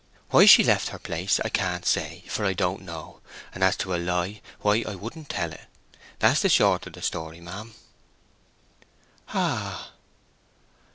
Why she left her place, I can't say, for I don't know; and as to a lie, why, I wouldn't tell it. That's the short of the story, ma'am." "Ah h!"